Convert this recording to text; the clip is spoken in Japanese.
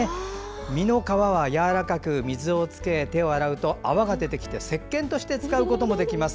実の皮はやわらかく水をつけて手を洗うと泡が出てきて、せっけんとして使うこともできます。